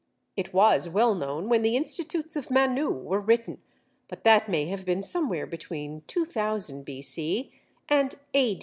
It was well known when the Institutes of Manu were written, but that may have been somewhere between 2000 B.C. and A.